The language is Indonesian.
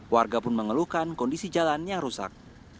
warga pun mengeluhkan kondisi jalan yang rusak